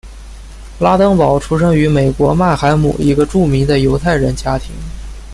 拉登堡出生于德国曼海姆一个著名的犹太人家庭。